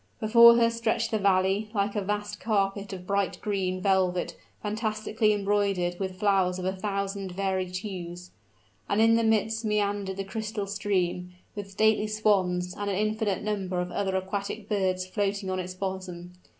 Before her stretched the valley, like a vast carpet of bright green velvet fantastically embroidered with flowers of a thousand varied hues. And in the midst meandered the crystal stream, with stately swans and an infinite number of other aquatic birds floating on its bosom.